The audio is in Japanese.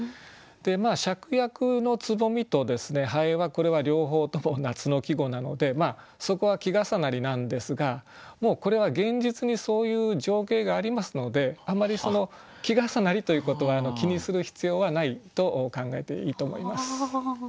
「芍薬の蕾」と「蠅」はこれは両方とも夏の季語なのでそこは季重なりなんですがこれは現実にそういう情景がありますのであまり季重なりということは気にする必要はないと考えていいと思います。